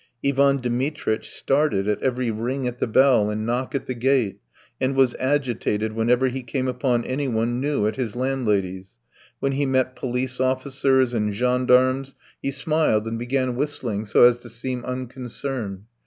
Ivan Dmitritch started at every ring at the bell and knock at the gate, and was agitated whenever he came upon anyone new at his landlady's; when he met police officers and gendarmes he smiled and began whistling so as to seem unconcerned.